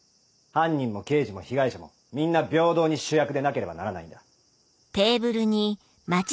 犯人も刑事も被害者もみんな平等に主役でなければならないんだ。